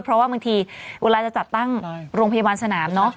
เพราะว่าบางทีเวลาจะจัดตั้งโรงพยาบาลสนามเนาะ